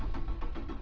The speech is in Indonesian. kalian tahan padaku